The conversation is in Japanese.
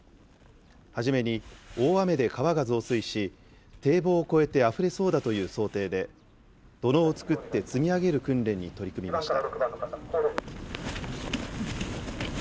はじめに、大雨で川が増水し、堤防を越えてあふれそうだという想定で、土のうを作って積み上げる訓練に取り組みました。